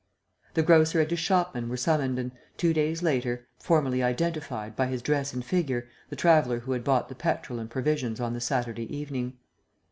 The grocer and his shopman were summoned and, two days later, formally identified, by his dress and figure, the traveller who had bought the petrol and provisions on the Saturday evening.